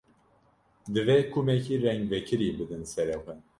Divê kumekî rengvekirî bidin serê xwe.